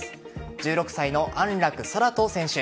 １６歳の安楽宙斗選手。